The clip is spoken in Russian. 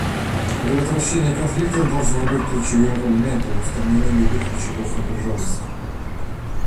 Предотвращение конфликтов должно быть ключевым элементом в устранении любых очагов напряженности.